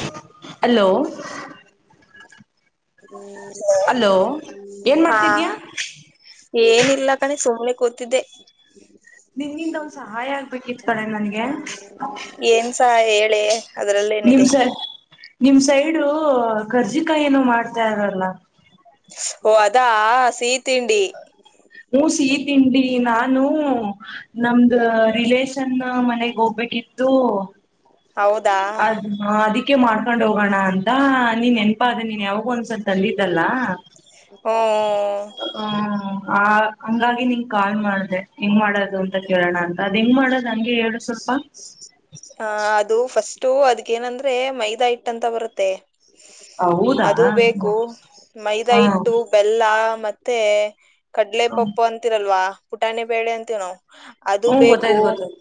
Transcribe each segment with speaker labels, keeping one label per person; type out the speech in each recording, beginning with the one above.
Speaker 1: [inaudible] Hello. Hello ಏನ್
Speaker 2: ಹಾ
Speaker 1: ಮಾಡ್ತಿದ್ಯಾ
Speaker 2: ಏನಿಲ್ಲ ಕಣೆ ಸುಮ್ನೆ ಕೂತಿದ್ದೆ.
Speaker 1: ನಿನ್ಗಿಂದ ಒಂದ ಸಹಾಯ ಆಗ್ಬೇಕಿತ್ ಕಣೆ ನನ್ಗೆ
Speaker 2: ಏನ್ಸ ಹೇಳೆ
Speaker 1: ನಿಮ್.
Speaker 2: ಅದ್ರಲ್ಲೇನಿದೆ
Speaker 1: ನಿಮ್ಮ ಸೈಡು ಏನೋ ಕರ್ಜಿಕಾಯ ಏನು ಮಾಡ್ತಾರಲ್ಲ.
Speaker 2: ಓ ಅದಾ ಸಿಹಿ ತಿಂಡಿ.
Speaker 1: ಹೂ ಸಿಹಿ ತಿಂಡಿ ನಾನು ನಮ್ದ ರಿಲೇಶನ್ ಮನೆಗ ಹೋಗ್ಬೇಕಿತ್ತು.
Speaker 2: ಹೌದಾ
Speaker 1: ಅದ ಮಾಡಿ ಅದಕ್ಕೆ ಮಾಡ್ಕೊಂಡ ಹೋಗೋಣ ಅಂತ ನೀನ. ನೆನಪಾದೆ ನೀನ ಯಾವಾಗೋ ಒಂದಸಲಿ. ತಂದಿದ್ದಲ್ಲ.
Speaker 2: ಹೂ ಹೂ
Speaker 1: ಹ
Speaker 2: ಹೂ.
Speaker 1: ಆ ಹಂಗಾಗಿ ನಿಂಗ ಕಾಲ್ ಮಾಡ್ದೆ. ಹೆಂಗ ಮಾಡೋದು ಅಂತ ಕೇಳೋಣ ಅಂತ. ಅದ ಹೆಂಗ ಮಾಡೋದು ಹಂಗೆ ಹೇಳು ಸ್ವಲ್ಪ.
Speaker 2: ಆ ಅದು ಫಸ್ಟು ಅದಕ್ಕೇನಂದ್ರೆ ಮೈದಾ ಹಿಟ್ಟ ಅಂತ ಬರತ್ತೆ. ಅದು
Speaker 1: ಹೌದಾ
Speaker 2: ಬೇಕು ಮೈದಾ
Speaker 1: ಹಾ
Speaker 2: ಹಿಟ್ಟು, ಬೆಲ್ಲ ಮತ್ತೆ. ಮತ್ತೆ. ಕಡ್ಲೆ ಪಪ್ಪು ಅಂತಿರಲ್ವಾ. ಪುಟಾನೇ ಬೇಳೆ ಅಂತೀವಿ ನಾವು. ಅದು
Speaker 1: ಹ್ಮ್
Speaker 2: ಬೇಕು
Speaker 1: ಗೊತ್ತಾಯ್ತು ಗೊತ್ತಾಯ್ತು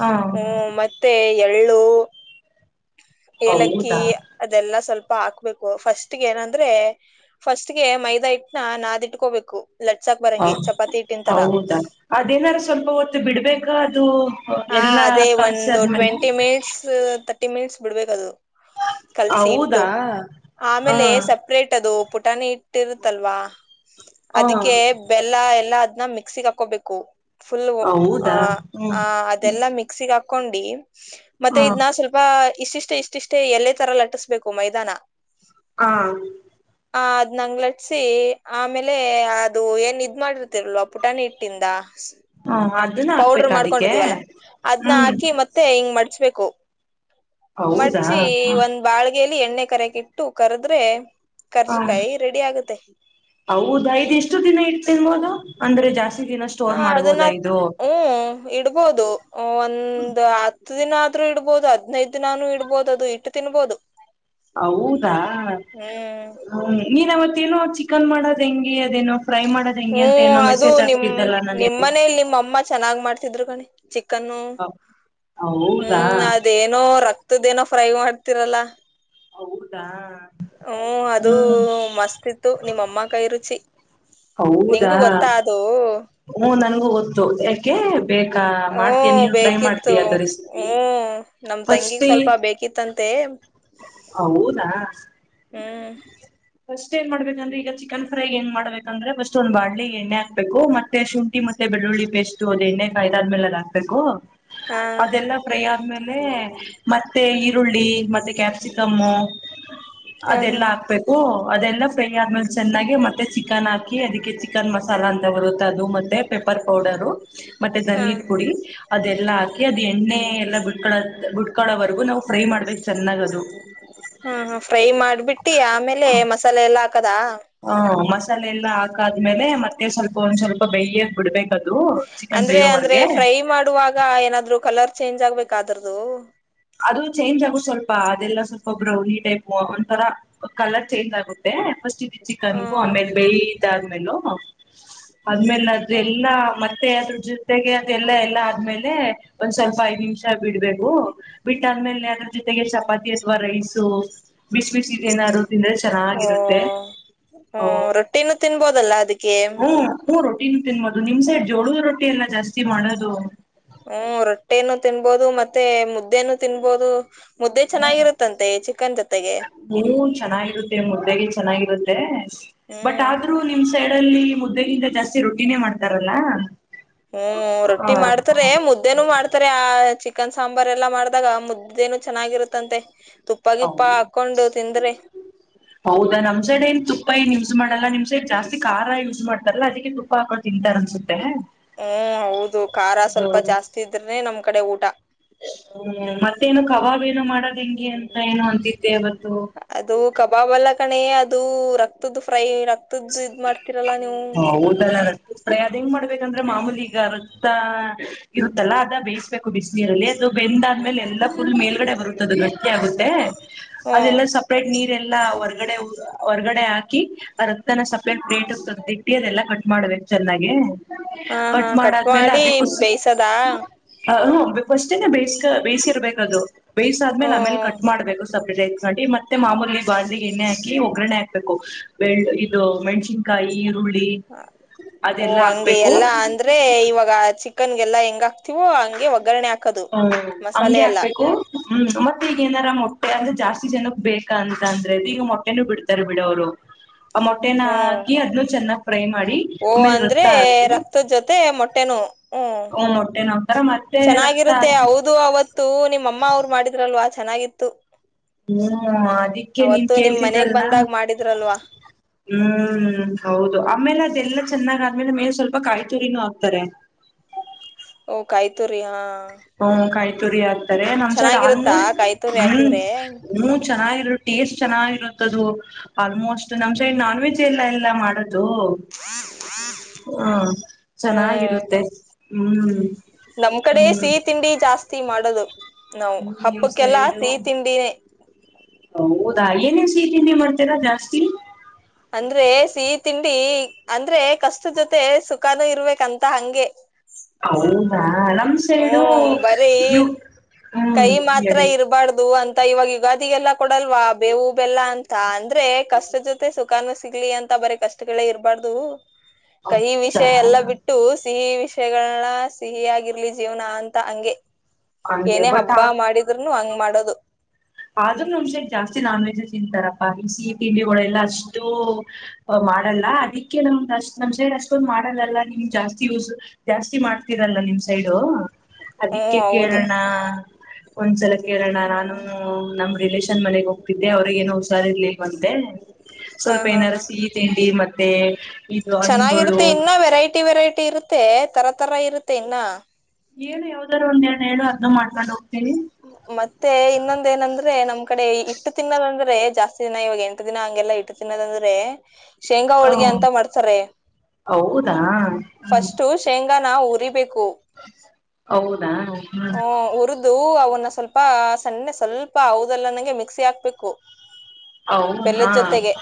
Speaker 1: ಹಾ
Speaker 2: ಹ್ಮ ಮತ್ತೆ ಎಳ್ಳ. ಎಳ್ಳು. ಏಲಕ್ಕಿ
Speaker 1: ಹೌದಾ
Speaker 2: ಅದೆಲ್ಲಾ ಸ್ವಲ್ಪ. ಪಾಕು. ಬೇಕು ಫಸ್ಟ್ ಗೆ ಏನ. ಅಂದ್ರೆ ಫಸ್ಟ್ಗೆ ಮೈದಾ ಹಿಟ್ನಾ ನಾದಿ ಇಟ್ಕೋಬೇಕು.
Speaker 1: ಹಾ ಹೌದಾ ಅದೇನಾರು ಸ್ವಲ್ಪ ಹೊತ್ತು ಬಿಡ್ಬೇಕಾ ಅದು
Speaker 2: ಹಾ
Speaker 1: ಎಲ್ಲಾ
Speaker 2: ಅದೇ
Speaker 1: ಕಲಸಿ ಆದ್ಮೇಲೆ.
Speaker 2: ಕಲ್ಸಿ ಬಿಡ್ಬೇಕ ಅದು. ಕಲ್ಸಿ ಇಟ್ಟು
Speaker 1: ಹಾ
Speaker 2: ಆಮೇಲೆ ಸಪ್ರೇಟ್ ಅದು. ಪುಟಾಣಿ ಹಿಟ್ಟ ಇರತ್ತಲ್ವಾ.
Speaker 1: ಹಾ
Speaker 2: ಅದಕ್ಕೆ ಬೆಲ್ಲ ಎಲ್ಲಾ. ನಾವು ಮಿಕ್ಸಿಗೆ ಹಾಕೋಬೇಕು. ಫುಲ್ ಆ
Speaker 1: ಹೌದಾ ಹ್ಮ್
Speaker 2: ಆ ಅದೆಲ್ಲಾ ಮಿಕ್ಸಿಗ ಹಾಕ. ಹಾಕೊಂಡಿ. ಮತ್ತೆ
Speaker 1: ಹಾ
Speaker 2: ಇದನ ಸ್ವಲ್ಪ ಹನ ಇಷ್ಟಿಷ್ಟೇ ಇಷ್ಟಿಷ್ಟೇ ಎಲ್ಲೇ ತರ ಲಟಿಸ್ಬೇಕು ಮೈದಾ ನಾ.
Speaker 1: ಹಾ.
Speaker 2: ಆ ಅದ್ ನಂಗ್ಲಟ್ಸಿ ಆಮೇಲೆ ಅದು ಏನ್ ಇದ್ ಮಾಡಿರ್ತಿರಲ್ವ ಪುಟಾಣಿಟ್ಟಿಂದ
Speaker 1: ಹಾ ಅದನ್ನ ಹಾಕ್ಬೇಕ
Speaker 2: ಪೌಡ್ರ್
Speaker 1: ಅದಕ್ಕೆ
Speaker 2: ಮಾಡ್ಕೊಂಡಿದೀವಲ್ಲ ಅದ್ನ
Speaker 1: ಹ್ಮ್
Speaker 2: ಹಾಕಿ ಮತ್ತೆ ಹಿಂಗ್ ಮಡ್ಚ್ಬೇಕು.
Speaker 1: ಹೌದಾ
Speaker 2: ಮಡ್ಚಿ ಒಂದ್ ಬಾಳ್ ಲ್ಲಿ ಎಣ್ಣೆ ಕರೆಯಕ್ ಇಟ್ಟು ಕರ್ದ್ರೆ
Speaker 1: ಹಾ ಹೌದ ಇದ್ ಎಷ್ಟು ದಿನ ಇತ್ ತಿನ್ಬೋದು ಅಂದ್ರೆ ಜಾಸ್
Speaker 2: ಹಾ ಅದನ್ನ ಹ್ಮ ಇಡ್ಬೋದು ಒಂದ್ ಅ ಹತ್ತು ದಿನ ಆದ್ರೂ ಇಡ್ಬೋದು ಹದ್ನೈದು ದಿನಾನು ಇಡ್ಬೋದು ಅದು ಇಟ್ಟು ತಿನ್ಬೋದು.
Speaker 1: ಹೌದಾ
Speaker 2: ಹ್ಮ್
Speaker 1: ಹ ನೀನವತ್ತ್ ತ್ತೆನೋ ಚಿಕನ್ ಮಾಡೋದ್ ಹೆಂಗೆ ಎನೋ ಫ್ರೈ ಮಾಡೋದೆಂಗೆ ಅಂತ
Speaker 2: ಹ್ಮ್
Speaker 1: ಏನೋ
Speaker 2: ಅದು
Speaker 1: ಮೆಸೇಜ್
Speaker 2: ನಿಮ್
Speaker 1: ಹಾಕ್ತಿದ್ದಲ್ಲ ನಂಗೆ
Speaker 2: ನಿಮ್ಮನೇಲಿ ನಿಮ್ಮಮ್ಮ ಚೆನ್ನಾಗ್ ಮಾಡ್ತಿದ್ರು ಕಣಿ ಚಿಕ್ ಕ್ಕನು
Speaker 1: ಹೌದಾ
Speaker 2: ಹ್ಮ್ ಅದೇನೋ ರಕ್ [unintelligible] ತ್ತದೇನೋ ಫ್ರೈ ಮಾಡ್ತಿರಲ್ಲ.
Speaker 1: ಹೌದ?
Speaker 2: ಹ್ಮ್, ಅದು ಮಸ್ತ್ ಇತ್ತು, ನಿಮ್ಮಮ್ಮ ಕೈ ರುಚಿ.
Speaker 1: ಹೌದಾ?
Speaker 2: ನಿಂಗೂ ಗೊತ್ತಾ ಅದು
Speaker 1: ಹ್ಮ ನನ್ಗೂ ಗೊತ್ತು [unintelligible] [unintelligible] ಮಾಡ್ತೀಯ
Speaker 2: ಹ್ಮ್
Speaker 1: ನೀನು ಟ್ರೈ
Speaker 2: ಬೇಕಿತ್ತು.
Speaker 1: ಮಾಡ್ತೀಯ ಅದ ರೆಸಿಪಿ
Speaker 2: ಹ್ಮ ನಮ್
Speaker 1: ಫಸ್ಟ್
Speaker 2: ತಂಗಿಗ್ ಸ್ವಲ್ಪ ಬೇಕಿತ್ತಂ ಮತ್ತೆ
Speaker 1: ಹೌದಾ?
Speaker 2: ಹ್ಮ್
Speaker 1: [unintelligible] ಮಾಡ್ಬೇಕೆಂದ್ರೆ ಈಗ ಚಿಕನ್ ಫ್ರೈ ಏನ್ ಮಾಡ ಬೇಕಂದ್ರೆ ಫಸ್ಟ್ ಒಂದ ಬಾಂಡ್ಲಿಗೆ ಎಣ್ಣೆ ಬೇಕು, ಮತ್ತೆ ಶುಂಠಿ ಮ [unintelligible] ಬೆಳ್ಳುಳ್ಳಿ ಪೇಸ್ಟು, ಅದು ಎಣ್ಣೆ ಕಾಯ್ದಾದ್ಮೇಲೆ ಅದ್ ಹಾಕ್ಬೇಕು
Speaker 2: ಹಾ
Speaker 1: ಅದೆಲ್ಲ ಫ್ರೈ ಆದ್ಮೇಲೆ, ಮತ್ತೆ ಈರುಳ್ಳಿ ಮತ್ತೆ ಕ್ಯಾಪ್ಸಿ [unintelligible]
Speaker 2: ಹಾ ಹಾ
Speaker 1: ಅದೆಲ್ಲ ಹಾಕ್ಬೇಕು. ಅದೆಲ್ಲ ಫ್ರೈ ಆದ್ಮೇಲೆ ಚೆನ್ನಾಗಿ, ಮತ್ತೆ ಚಿಕನ್ ಹಾಕಿ, ಅದಕ್ಕೆ ಚಿಕನ್ ಮಸಾಲ ಅಂತ ಬರುತ್ತೆ ಅದು, ಮತ್ತೆ ಪೆಪ್ಪರ್ ಪೌಡರ್ ಮತ್ತೆ
Speaker 2: ಹಾ
Speaker 1: ದನಿ ಪುಡಿ ಎಲ್ಲ ಹಾಕಿ ಅದ್ ಎಣ್ಣೆ ಎಲ್ಲಾ ಬಿಟ್ಕೊಳ್ಳ, ಬಿಟ್ಕೊಳ್ಳೋವರೆಗೂ ನಾವು ಫ್ರೈ ಮಾಡ್ಬೇಕ್ ಚೆನ್ನಾಗದು
Speaker 2: ಹಾ, ಫ್ರೈ ಮಾಡ್ಬಿಟ್ಟಿ ಆಮೇಲೆ ಮಸಾಲೆ ಎಲ್ಲಾ ಹಾಕದ
Speaker 1: ಹೂ.. ಮಸ್ ಮಸಾಲೆ ಎಲ್ಲಾ ಹಾಕಾದ್ಮೇಲೆ ಮತ್ತೆ ಸ್ವಲ್ಪ ಒಂದ್ ಸ್ವಲ್ಪ ಬೆಯ್ಯಕ್ ಬಿಡ್ಬೇಕದು. ಚಿಕನ್
Speaker 2: ಅಂದ್ರೆ ಅಂದ್ರೆ
Speaker 1: ಬೇಯೋವರ್ಗೆ
Speaker 2: ಫ್ರೈ ಮಾಡುವಾಗ ಏನಾದ್ರು ಕಲರ್ ಚೇಂಜ್ ಆಗ್ಬೇಕ ಅದರ್ದು?
Speaker 1: ಅದು ಚೇಂಜ್ ಆಗುತ್ ಸ್ವಲ್ಪ, ಅದೆಲ್ಲ ಸ್ವಲ್ಪ ಬ್ರೌನಿ ಟೈಪ್, ಒಂಥರ ಕಲರ್ ಚೇಂಜ್ ಆಗುತ್ತೆ. ಫಸ್ಟಿಗೆ ಚಿಕನ್ಗೂ
Speaker 2: ಹ್ಮ್
Speaker 1: ಆಮೇಲೆ ಬೇಯ್ದ್ ಆದ್ಮೇಲು [unintelligible] ಅದ್ಮೇಲೆ, ಅದ ಎಲ್ಲಾ ಮ [unintelligible] ಅದ್ರ ಜೊತೆಗೆ ಅದೆಲ್ಲ ಎಲ್ಲಾ ಆದ್ಮೇಲೆ, ಒಂದ್ ಸ್ವಲ್ಪ ಐದ್ ನಿಮಿಷ ಬಿಡ್ಬೇಕು ಬಿಟ್ಟಾದ್ಮೇಲೆ ಅದ್ರ ಜೊತೆಗೆ ಚಪಾತಿ ಅಥವಾ ರೈಸು ಬಿಸಿ ಬಿಸಿದ್ ಏನಾದ್ರೂ ತಿಂದ್ರೆ ಚೆನ್ನಾಗಿರುತ್ತೆ.
Speaker 2: ಹ್ಮ.. ರೊಟ್ಟಿನೂ ತಿನ್ಬೋದಲ್ [unintelligible]
Speaker 1: ಹ್ಮ ಹ ತಿನ್ ತಿನ್ಬೋದು ನಿಮ್ ಸೈಡ್ ಜೋಳದ ರೊಟ್ಟಿ ಎಲ್ಲ ಜಾಸ್ತಿ ಮಾಡೋದು.
Speaker 2: ಹ್ಮ ರೊಟ್ಟೇನು ತಿನ್ಬೋದು ಮತ್ತೆ ಮುದ್ದೇನು ತಿನ್ಬೋದು ಮುದ್ದೆ
Speaker 1: ಹ್ಮ್
Speaker 2: ಚೆನ್ನಾಗಿರುತ್ತಂತೆ ಚಿಕನ್ ಜೊತೆಗೆ
Speaker 1: ಹೂ ಚೆನ್ನಾಗಿರುತ್ತೆ ಮುದ್ದೆಗೆ ಚೆನ್ನಾಗಿರುತ್ತೆ ಬಟ್
Speaker 2: ಹ್ಮ್
Speaker 1: ಆದ್ರೂ ನಿಮ್ ಸೈಡ್ ಲ್ಲಿ ಮುದ್ದಗಿಂದ ಜಾಸ್ತಿ ರೊಟ್ಟಿನೇ ಮಾಡ್ತಾರಲ್ಲಾ
Speaker 2: ಹ್ಮ್ ರೊಟ್ಟಿ ಮಾಡ್ತಾರೆ ಮುದ್ದೆನು ಮಾಡ್ತಾರೆ ಆ ಚಿ ಚಿಕನ್ ಸಾಂಬಾರ್ ಎಲ್ಲಾ ಮಾಡ್ದಾಗ ಮುದ್ದೇನು ಚೆನ್ನಾಗಿರುತ್ತಂತೆ ತುಪ್ಪ
Speaker 1: ಹ
Speaker 2: ಗಿಪ್ಪ ಹಾಕೊಂಡು ತಿಂದ್ರೆ
Speaker 1: ಹೌದಾ ನಮ್ ಸೈಡ್ ಏನ್ ತುಪ್ಪ ಏನ್ ಯೂಸ್ ಮಾಡಲ್ಲ ನಿಮ್ ಸೈಡ್ ಜಾಸ್ತಿ ಖಾರ ಯೂಸ್ ಮಾಡ್ತಾರಲ್ಲ ಅದಕ್ಕೆ ತುಪ್ಪ ಹಾಕೊಂಡು ತಿಂತಾರ ಅಸ
Speaker 2: ಹ್ಮ್ ಹೌದು ಖಾರ ಸ್ವಲ್ಪ ಜಾಸ್ತಿ ಇದ್ರನೆ ನಮ್ ಕಡೆ ಊಟ
Speaker 1: ಹ್ಮ್ ಮತ್ತೇನು ಕಬಾಬ್ ಏನ ಮಾಡದು ತಿಂಗಿ ಅಂತ ಏನು ಅಂತಿದ್ದ ಇವತ್ತು
Speaker 2: ಅದು ಕಬಾಬ್ ಅಲ್ಲ ಕಣೆ ಅದು ರಕ್ತದ ಫ್ರೈ ರಕ್ತ
Speaker 1: ಹ ದಲ್ಲಳ ಅದ್ ಹೆಂಗ್ ಮಾಡ್ಬೇಕಂದ್ರೆ ಮಾಮೂಲಿಗ ರಕ್ತ ಇರುತ್ತೆಲ್ಲಾ ಅದ ಬೇಯಿಸಬೇಕು ಬಿಸ ನೀರಲ್ಲಿ ಅದು ಬೆಂದಾದ್ಮೇಲೆ ಎಲ್ಲಾ ಫುಲ್ ಮೇಲ್ಗಡೆ ಬರುತ್ತೆ ಅದು ಗಟ್ಟಿ ಆಗುತ್ತೆ
Speaker 2: ಹ್ಮ್
Speaker 1: ಅದೆಲ್ಲ ಸಪ್ರೇಟ್ ನೀರೆಲ್ಲರ್ ಹೊರಗ ಹೊರ್ಗಡೆ ಹೊರ್ಗಡೆ ಹಾಕಿ ಆ ರಕ್ತನ ಸಪಲೇಟ್ ಪಲೇಟ್ ಹೋಗತದೆ ಇಟ್ಟಿಯದೆಲ್ಲಾ ಕಟ್ ಮಾಡ್ಬೇಕು ಚೆನ್ನಾಗೆ
Speaker 2: ಹಾ ಹಾ ಕಟ್ ಮಾಡಿ ಬೇಯಸದಾ
Speaker 1: ಫಸ್ಟೇ ಬೇಯ ಬೇಯಿಸಿ ಇರ್ಬೇಕ ಅದು ಬೇಯ್ ಆದ್ಮೇಲೆ ಆಮೇಲೆ ಕಟ್
Speaker 2: ಹ್ಮ್
Speaker 1: ಮಾಡಬೇಕು ಸಪ್ರೇಟ್ ನಡಿ ಮತ್ತೆ ಮಾಮೂಲಿ ಬಾಳಿಗೆ ಎಣ್ಣೆ ಹಾಕಿ ಒಗ್ಗರಣೆ ಹಾಕ್ಬೇಕು ಬೆಳ್ಳು ಇದು ಮೆಣ್ಸಿನ್ಕಾಯಿ ಈರುಳ್ಳಿ
Speaker 2: ಹ ಓ
Speaker 1: ಅದೆಲ್ಲಾ
Speaker 2: ಹಂಗೆ
Speaker 1: ಹಾಕ್ಬೇಕು
Speaker 2: ಎಲ್ಲಾ ಅಂದ್ರೆ ಇವಾಗ ಚಿಕ್ ಕ್ಕನ್ ಹೆಂಗ ಹಾತಿವ ಹಂಗೆ ಒಗ್ಗರಣೆ ಆಗ್ತ
Speaker 1: ಹ್ಮ ಹಂಗೆ ಹಾಕ್ಬೇಕು ಹ್ಮ್ ಮತ್ತೆ ಈಗ ಏನಾರ ಮೊಟ್ಟೆ ಜಾಸ್ತಿ ಜನಕ್ ಬೇಕ ಅಂತ ಅಂದ್ರೆದು ಈಗ ಮೊಟ್ಟೆನೂ ಬಿಡ್ತಾರೆ ಬಿಡವ್ರು ಮೋಟೆ ನ
Speaker 2: ಹ್ಮ್
Speaker 1: ಹಾಕಿ ಅದ್ನು ಚನ್ನಗಿ
Speaker 2: ಓ ಅಂದ್ರೆ ರಕ್ತದ ಜೊತೆ ಮೊಟ್ಟ ಟೆನು ಹ್ಮ್
Speaker 1: ಮೊಟ್ಟೆನ ಹಾಕ್ತಾರ ಮತ್ತೆ ರಕ್ತ
Speaker 2: ಚೆನ್ನಾಗಿರುತ್ತೆ
Speaker 1: ಹಾಕಿ
Speaker 2: ಹೌದು ಅವತ್ತು ನಿಮ್ಮ ಅಮ್ಮ ಅವ್ರು ಮಾಡಿದ್ರಲ್ವ ಆಚ ಚೆನ್ನಾಗಿತ್ತು
Speaker 1: ಹ್ಮ್ ಅದಿಕ್ಕೆ ನಿನ್
Speaker 2: ಅವತ್ತು ನಿಮ್ ಮನೆಗ್
Speaker 1: ಕೇಳ್ತಿದ್ದಲ್ಲ
Speaker 2: ಬಂದಾಗ ಮಾಡಿದ್ರಲ್ವಾ
Speaker 1: ಹ್ಮ್ ಹೌದು ಆಮೇಲೆ ಅದೆಲ್ಲ ಚೆನ್ನಾಗ ಆದ್ಮೇಲೆ ಮೇಲ್ ಸ್ವಲ್ಪ ಕಾಯಿ ತುರಿನೂ ಹಾಕ್ತಾರೆ.
Speaker 2: ಓ ಕಾಯ್ತುರಿ ಹಾ
Speaker 1: ಹ್ಮ ಕಾಯ- ತುರಿ ಹಾಕ್ ನಮ್ ಸೈಡ್
Speaker 2: ಚೆನ್ನಾಗಿರುತ್ತಾ
Speaker 1: ಆಲ್ಮೋಸ್ಟ್
Speaker 2: ಕಾಯ್ತುರಿ
Speaker 1: ಹ್ಮ್
Speaker 2: ಹಾಕಿದ್ರೆ
Speaker 1: ಹ ಚೆನ್ನಾಗಿ ಟೇಸ್ಟ್ ಚೆನ್ನಾಗಿರುತ್ತದು ಆಲ್ಮೋಸ್ಟ್ ನಮ್ ಸೈಡ್ ನಾನ್ ವೆಜ್ ಎಲ್ಲ ಎಲ್ಲ ಮಾಡ ಹ್ಮ
Speaker 2: ಹ್ಮ್
Speaker 1: ಚೆನ್ನಾಗಿರುತ್ತೆ ಹ್ಮ್
Speaker 2: ನಮ್ ಕಡೆ
Speaker 1: ಹ್ಮ್
Speaker 2: ಸಿಹಿ ತಿಂಡಿ ಜಾಸ್ತಿ ಮಾಡೋದು ನಾ
Speaker 1: ನಿಮ್
Speaker 2: ಹಬ್ಬಕ್ಕೆಲ್ಲಾ
Speaker 1: ಸೈಡು
Speaker 2: ಸಿಹಿ ತಿಂಡಿನೇ
Speaker 1: ಹೌದಾ ಏನೇನ್ ಸಿಹ ತಿಂಡಿ ಮಾಡ್ತರಾ ಜಾಸ್ತಿ
Speaker 2: ಅಂದ್ರೆ ಸಿಹಿ ತಿಂಡಿ ಅಂದ್ರೆ ಕಷ್ಟದ ಜೊತೆ ಸುಖಾನ ಇರ್ಬೇಕಂತ ಹಂಗೆ.
Speaker 1: ಹೌದ. ನಮ್ ಸೈಡು
Speaker 2: ಹ್ಮ್ ಬರೀ
Speaker 1: ಯು ಹ್ಮ್
Speaker 2: ಕೈ ಮಾತ್ರ
Speaker 1: ಹೇಳಿ
Speaker 2: ಇರಬಾರ್ದು ಅಂತ ಇವಾಗ ಯುಗಾದಿಗೆಲ್ಲ ಕೊಡಲ್ವಾ ಬೇವು ಬೆಲ್ಲ ಅಂತ ಅಂದ್ರೆ ಕಷ್ಟ ಜೊತೆ ಸುಖಾನೂ ಸಿಗ್ಲಿ ಅಂತ ಬರ ಕಷ್ಟಗಳೇ ಇರ್ಬಾರ್ದು. ಕಹಿ
Speaker 1: ಹೌದಾ
Speaker 2: ವಿಷಯ ಎಲ್ಲ ಬಿಟ್ಟು ಸಿಹಿ ವಿಷಯ. ವಿಷಯಗಳನ್ನ ಸಿಹಿ ಆಗಿರ್ಲಿ ಜೀವನ ಅಂತ ಹಂಗೆ
Speaker 1: ಹಂಗೆ
Speaker 2: ಏನೇ
Speaker 1: ಬಟ್
Speaker 2: ಹಬ್ಬ ಮಾಡಿದ್ರುನು ಹಂಗ್ ಮಾಡೋದು.
Speaker 1: ಆದ್ರೂ ನಮ್ ಸೈಡ್ ಜಾಸ್ತಿ ನಾನ್ ವೆಜ್ಸ್ ತಿಂತಾರಪ್ಪಾ ಬಿಸಿ ತಿಂಡಿಗಳ ಎಲ್ಲಾ ಅಷ್ಟು ಮಾಡಲ್ಲ ಅದಕ್ಕೆ ನಮ್ದ ಅಷ್ಟ್ ನಮ್ ಸೈಡ್ ಅಷ್ಟೊಂದ್ ಮಾಡಲ್ಲಲ್ಲ ನಿಮ್ ಜಾಸ್ತಿ ಯೂಸ್ ಜಾಸ್ತಿ ಮಾಡ್ತರಲ್ಲ ನಿಮ್ ಸೈಡ್
Speaker 2: ಹ್ಮ್
Speaker 1: ಅದಿಕ್ಕೆ
Speaker 2: ಹೌದು
Speaker 1: ಕೇಳೋಣ ಒಂದ್ಸಲ ಕೇಳೋಣ ನಾನು. ನಮ್ ರಿಲೇಷನ್ ಮನೆಗ್ ಹೋಗ್ತಿದ್ದೆ ಅವ್ರಗೇನ ಹುಸಾರಿ ಇರ್ಲಿಕ್ಕೆ ಅಂತೆ
Speaker 2: ಹಾ
Speaker 1: ಸ್ವಲ್ಪ
Speaker 2: ಹಾ
Speaker 1: ಏನಾರ
Speaker 2: ಹಾ
Speaker 1: ಸಿಹಿ ತಿಂಡಿ ಮತ್ತೆ ಇದು ಹಣ್ಣುಗಳು.
Speaker 2: ಮತ್ತೆ ತರ ತರ ಇರುತ್ತೆ ಇನ್ನ.
Speaker 1: ಏನು ಯಾವ್ದಾರೂ ಒಂದ್ ಹೇಳುವ
Speaker 2: ಮತ್ತೆ ಇನ್ನೊಂದ ಏನಂದ್ರೆ ನಮ ಕಡೆ ಇಟ್ಟು ತಿನ್ನದಂದ್ರೆ ಜಾಸ್ತಿ ದಿನ ಇವಾಗ ಎಂಟು ದಿನ ಹಂಗೆಲ್ಲ ಇಟ್ಟು ತಿನ್ನದಂದ್ರೆ ಶೇಂಗಾ
Speaker 1: ಹಾ
Speaker 2: ಹೋಳ್ಗೆ ಅಂತ ಮಾಡ್ತಾರೆ
Speaker 1: ಹೌದಾ ಹ್ಮ್
Speaker 2: ಫಸ್ಟು ಶಂಗಾ. ಶೇಂಗಾ ನಾವು ಉರಿಬೇಕು-
Speaker 1: ಹೌದಾ. ಹ್ಮ್
Speaker 2: ಹ ಉರುದು ಅವನು ಇನ್ನ ಸ್ವಲ್ಪ ಸಣ್ಣೆ ಸ್ವಲ್ಪ ಹೌದಲ್ವಾ ನನಂಗೆ ಮಿಕ್ಸಿ ಹಾಕ್ಬೇಕು.
Speaker 1: ಹೌ ಹಾ
Speaker 2: ಬೆಲ್ಲದ ಜೊತೆಗೆ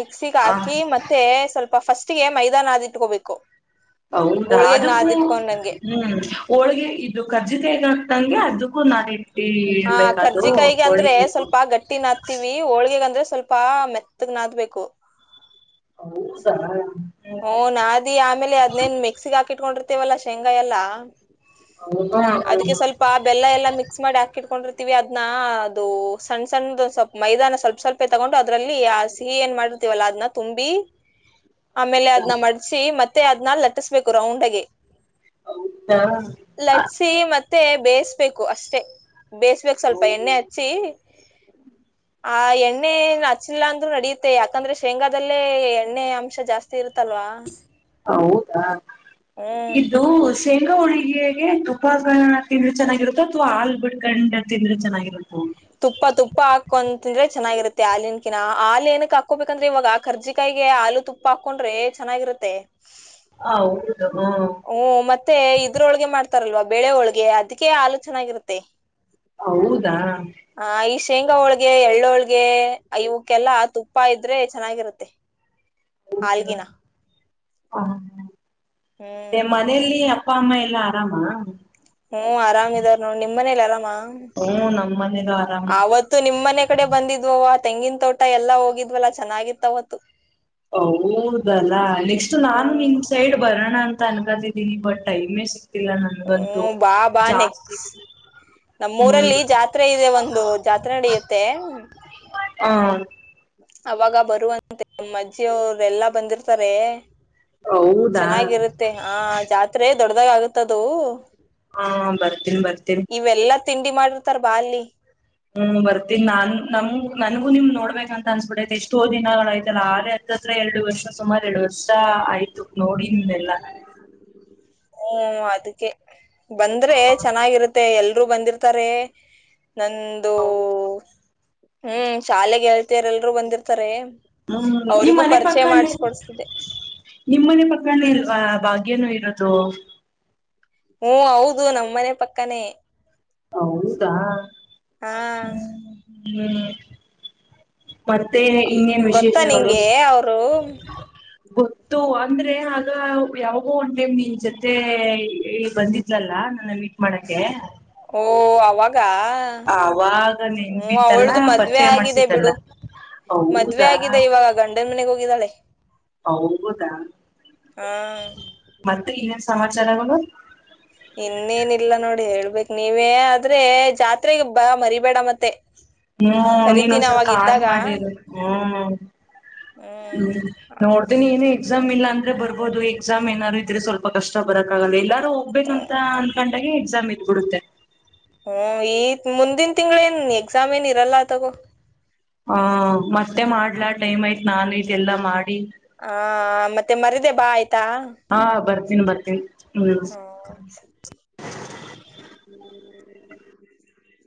Speaker 2: ಮಿಕ್ಸಿಗೆ
Speaker 1: ಹ
Speaker 2: ಹಾಕಿ ಮತ್ತೆ ಸ್ವಲ್ಪ. ಫಸ್ಟ್ ಗೆ ಮೈದಾ ನಾದ್ ಇಟ್ಕೋಬೇಕು.
Speaker 1: ಹೌದಾ ಅದಕ್ಕೂ ಹ್ಮ್ ಹೋಳಗೆ ಇದು ಕರ್ಜಿಕ ಈಗ ನಂಗೆ ಅದುಕ್ಕೂ ನಾದಿ
Speaker 2: ಹಾ ಕರ್ಜಿಕಾಯಿಗೆ ಅಂದ್ರೆ ಸ್ವಲ್ಪ ಗಟ್ಟಿನ ಹತೀವಿ ಹೋಳ್ಗಗ ಅಂದ್ರೆ ಸ್ವಲ್ಪ ಮೆತ್ತಗ್ ನಾದಬೇಕು
Speaker 1: ಹೌದಾ ಆ
Speaker 2: ಓ ನಾದಿ ಆಮೇಲೆ ಅದ್ನೇನ್ ಮೆಕ್ಸಿ ಹಾಕಿ ಇಕೊಂಡಿರ್ತೇವಲ್ಲಾ ಶೇಂಗಾ ಎಲ್ಲಾ
Speaker 1: ಹೌದಾ
Speaker 2: ಅದಕ್ಕೆ ಸ್ವಲ್ಪ ಆ ಬೆಲ್ಲ ಎಲ್ಲಾ ಮಿಕ್ಸ್ ಮಾಡಿ ಹಾಕಿಟ್ಕೊಂಡ್ರಿ ವಿ ಅದ್ನಾ ಅದು ಸಣ್ಣ ಸಣದು ಸ್ವಲ್ಪ್ ಮೈದಾನ ಸ್ವಲ್ಪ ಸ್ವಲ್ಪೇ ತಗೊಂಡು ಅದ್ರಲ್ಲಿ ಆ ಸಿಹಿ ಏನ್ ಮಾಡಿರ್ತೀವಲ್ಲಾ ಅದ್ನ ತುಂಬಿ ಆಮೇಲೆ ಅದನ್ನ ಮಡಸಿ ಮತ್ತೆ ಮತ್ತೆ ಅದ್ನಲ್ ಲಟ್ಟಿಸ್ಬೇಕು ರೌಂಡ್ಗೆ
Speaker 1: ಹೌದಾ
Speaker 2: ಲಟ್ಸಿ ಮತ್ತೆ ಮತ್ತೆ ಬೇಯಿಸಬೇಕು ಅಷ್ಟೇ ಬೇಯಸ್ಬೇಕು ಸ್ವಲ್ಪ
Speaker 1: ಹೌದು
Speaker 2: ಎಣ್ಣೆ ಹಚ್ಚಿ ಆ ಎಣ್ಣೆ ಹಚ್ಚಿಲ್ಲ ಅಂದ್ರರು ನಡಿಯುತ್ತೆ ಯಾಕಂದ್ರೆ ಶೇಂಗಾದಲ್ಲೇ ಎಣ್ಣೆ ಅಂಶ ಜಾಸ್ತಿ ತಿರು [unintelligible]
Speaker 1: ಹೌದಾ
Speaker 2: ಹ್ಮ್
Speaker 1: ಇದು ಶೇಂಗಾ ಹೋಳಿಗೆಗೆ ತುಪ್ಪ ತಿಂದ್ರೆ ಚೆನ್ನಾಗಿರುತ್ತೆ ಅಥವಾ ಹಾಲು ಬಿಡ್ಕಂಡು ತಿಂದ್ರೆ ಚೆನ್ನಾಗಿರುತ್ತೆ
Speaker 2: ತುಪ್ಪ ತುಪ್ಪ ಹಾಕೊ ತಿಂದ್ರೆ ಚೆನ್ನಾಗಿರುತ್ತೆ ಹಾಲಿಂಕಿನ ಹಾಲ ಏನಕ್ ಹಾಕೋಬೇಕಂದ್ರೆ ಇವಾಗ ಕರ್ಜಿಕಾಯಿಗೆ ಹಾಲು ತುಪ್ಪ ಹಾಕೊಂಡ್ರೆ ಚೆನ್ನಾಗಿರುತ್ತೆ
Speaker 1: ಹೌದು ಹ್ಮ್
Speaker 2: ಓ ಮತ್ತೆ ಇದ್ರೊಳಗೆ ಮಾಡ್ತ ರ್ತರಲ್ವಾ ಬೆಳೆ ಒಳಗೆ ಅದಕ್ಕೆ ಆಲೋ ಚೆನ್ನಾಗಿರುತ್ತೆ
Speaker 1: ಹೌದಾ
Speaker 2: [inaudible] ಆ ಶೇಂಗಾ ಹೋಳ್ಗೆ ಎಳ್ಳ ಹೋಳ್ಗೆ ಗೆ ಇವಕ್ಕೆಲ್ಲಾ ತುಪ್ಪ ಇದ್ರೆ ಚೆನ್ನಾಗಿರುತ್ತೆ
Speaker 1: ಹೌದ ಹ
Speaker 2: ಹಾಲ್ಗಿನ
Speaker 1: ಹಾ [inaudible] ಮತ್ತೆ
Speaker 2: ಹ್ಮ್
Speaker 1: ಮನೇಯಲ್ಲಿ [inaudible] ಅಪ್ಪ ಅಮ್ಮ ಎಲ್ಲಾ ಆರಾಮಾ
Speaker 2: ಹ್ಮ್ ಆರಾಮಿದಾರ ನೋಡ್ ನಿಮ್ ಮನೇಲಿ ಆರಾಮಾ
Speaker 1: ಹ್ಮ ನಮ್ ಮನೇಲೂ
Speaker 2: [unintelligible]
Speaker 1: ಆರಾಮ್
Speaker 2: [unintelligible] ಆತ್ತು ನಿಮ್ಮ್ನೆ ಕಡೆ ಬಂದಿದ್ವ ತೆಂಗಿನ ತೋಟ ಎಲ್ಲಾ ಹೋಗಿದ್ವಲ್ಲಾ ಚೆನ್ನಾಗಿತ್ತ ಅವತ್ತು
Speaker 1: ಹೌದಲ್ಲಾ ನೆಕ್ಸ್ಟ್ ನಾನು
Speaker 2: ಹ್ಮ್
Speaker 1: ನಿಮ್ ಸೈಡ್ ಬರೋಣ ಅಂತ ಅನ್ಕತಿದ್ದೀನಿ ಬಟ್ ಟೈಮೇ ಸಿ
Speaker 2: ಹ್ಮ್ ಬಾ ಬಾ ನೆಕ್ಸ್
Speaker 1: ಹ್ಮ್
Speaker 2: ನಮ್ಮೂರಲ್ಲಿ ಜಾತ್ರೆ ಇದೆ ಒಂದು ಜಾತ್ರೆ ನಡೆಯತ್ತೆ
Speaker 1: ಹಾ
Speaker 2: ಅವಾಗ ಬರುವಂತೆ ನ ಅಜ್ಜಿಯ ಅವರು ಎಲ್ಲಾ ಬಂದಿರ್ತಾರೆ
Speaker 1: ಹೌದಾ
Speaker 2: ಚೆನ್ನಾಗಿರುತ್ತೆ ಹ ಜಾತ್ರೆ ದೊಡ್ಡದಾಗ ಆಗುತ್ತದು
Speaker 1: ಹಾ ಬರ್ತೀನಿ ಬರ್ತೀನಿ
Speaker 2: ತಿಂಡಿ ಮಾಡಿರ್ತಾರ ಬಾ ಅಲ್ಲಿ
Speaker 1: ಹ್ಮ್ ಬರ್ತೀನಿ ನಾನ್ ನಮ ನನ್ಗು ನಿಮ್ ನೋಡ್ಬೇಕಕ್ ಅಂತ ಅನ್ಸ್ಬಿಟ್ಟೈತ್ ಎಷ್ಟೋ ದಿನಗಳಾಯ್ತಲ್ಲ ಆ ಹತ್ತತ್ರ ಎರಡು ವರ್ಷ ಸುಮಾರ ಎರಡು ವರ್ಷ ಆಯ್ತ ಇದಕ್ ನೋಡಿ ಇೆಲ್ಲ [inaudible]
Speaker 2: ಓ ಅದಕ್ಕೆ ಬಂದ್ರೆ ಚೆನ್ನಾಗಿರುತ್ತೆ ಎಲ್ ರು ಬಂದಿರ್ತಾರೆ ನಂದು ಹ್ಮ್ ಶಾಲೆಗೆ ಹೇಳ್ತಾರೆ ಎಲ್ರು ಬಂದಿರ್ತಾರೆ
Speaker 1: ಹ್ಮ ನಿ್
Speaker 2: ಅವ್ರಿಗೂ
Speaker 1: ಮನೆ
Speaker 2: ಪರಿಚಯ
Speaker 1: ಪಕ್ಕ
Speaker 2: ಮಾಡಸ್ಕೊಡ್ಸ್ತಿದ್ದೆ
Speaker 1: ನಿಮ್ಮ್ನೆ ಪಕ್ಕ [inaudible] ಇಲ್ವಾ ಭಾಗ್ಯನು ಇರದು [inaudible]
Speaker 2: ಹ್ಮ ಹೌದು ನಮ್ಮ್ ಮನೆ ಪಕ್ಕನೇ
Speaker 1: ಹೌದುಸಾ [unintelligible]
Speaker 2: ಹಾ
Speaker 1: ಹ್ಮ್ ಮತ್ತೆ ಇನ್ನೇನ್
Speaker 2: ಗೊತ್ತಾ
Speaker 1: ವಿಶೇಷಗಳು
Speaker 2: ನಿಂಗೆ ಅವರು
Speaker 1: ಗೊತ್ತುವ ಅಂದ್ರೆ ಅದು ಯಾವಾಗೋ ಒಂದ ಟೈಮ್ ನಿನ್ ಜೊತೆ ಬಂದಿದ್ಲಲ್ಲ ನನ್ನ ಮೀಟ್ ಮಾಡಕ [unintelligible] [unintelligible]
Speaker 2: ಆವ ಗ ಹ್ಮ
Speaker 1: ನೆನ್ಪಿತ್ತಲ್ಲ
Speaker 2: ಅವಳ್ದು ಮದ್ವೆ
Speaker 1: ಪರಿಚಯ
Speaker 2: ಆಗಿದೆ
Speaker 1: ಮಾಡ್ಸಿದ್ದಲ್ಲ.
Speaker 2: ಬಿಡು ಮದ್ವೆ
Speaker 1: ಹೌದಾ
Speaker 2: ಆಗಿದೆ ಇವಾಗ ಗಂಡನ ಮನೆಗೆ ಹೋಗಿದ್ದಾಳೆ
Speaker 1: ಹೌದಾ
Speaker 2: ಹಾ
Speaker 1: ಮತ್ತೆ ಇನ್ನೇನ್ ಸಮಾಚಾರಗಳು
Speaker 2: ಇನ್ನೇನಿಲ್ಲ ನೋಡಿ ಹೇಳ್ಬೇಕೇಕ್ ನೀವೇ ಆದ್ರೆ ಜಾತ್ರೆಗೆ ಬಾ ಮರಿಬೇಡ ಮತ್ತೆ
Speaker 1: ಹ್ಮ್
Speaker 2: ಕರಿತೀನಿ
Speaker 1: ನೀನ್ೊಂದ್ಸವಲ್ಪ
Speaker 2: ಅವಾಗ
Speaker 1: ಕಾಲ್
Speaker 2: ಇದ್ದಾಗ
Speaker 1: ಮಾಡಿರ ಹ್ಮ್ ಹ್ಮ್ ನೋಡ್ತೀನಿ ಏನ ಎಕ್ಸಾಮ್ ಇಲ್ಲ ಅಂದ್ರೆ ಬರ್ಬೋದು ಎಕ್ಸಾಮ್ ಏನಾದಾರರು ಇದ್ರೆ ಸ್ವಲ್ಪ ತ ಕಷ್ಟ ಬರಕ್ಕಾಗಲ್ಲ ಇಲ್ಲ ಒ್ಬೇು ಅಂತ ಅಂದಕೊಂಡಾಗ [unintelligible] ಸಮಮೀತ್ ಬಿಡುತ್ತೆ
Speaker 2: ಹ್ಮ ಈ ಮುಂದಿನ ತಿಂಗಳ ಏನ್ ಎಕ್ಸಾಮ್ ಏನ್ ಇರಲ್ಲ ತಗೋ
Speaker 1: ಹ ಮತ್ತೆ ಮಾಡ್ಲಾ ಟೈಮ್ ಆಯ್ತು ನಾನ್ ಇದು ಎಲ್ಲಾ ಮಾಡಿ
Speaker 2: ಹಾ ಮತ್ತೆ ಮರದೆ ಬಾ ಆಯ್ತು
Speaker 1: ಹಾ ಬರ್ತ ನೀನ್ ಬರ್ತೀನಿ ಹ್ಮ್
Speaker 2: ಹ್ಮ ಹ